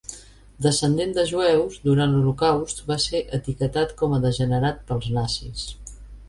Descendent de jueus, durant l'Holocaust va ser etiquetat com a degenerat pels nazis.